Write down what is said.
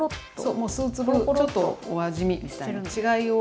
そうもう数粒ちょっとお味見みたいな違いを。